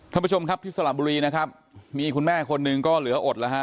ท่านผู้ชมครับที่สระบุรีนะครับมีคุณแม่คนหนึ่งก็เหลืออดแล้วฮะ